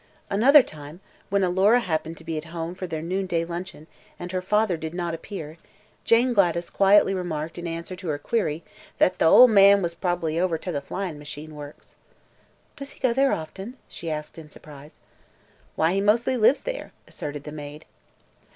Another time, when Alora happened to be at home for their noon day luncheon and her father did not appear, Jane Gladys quietly remarked in answer to her query that "th' ol' man was prob'ly over to the flyin' machine works." "Does he go there often?" she asked in surprise. "Why, he mostly lives there," asserted the maid.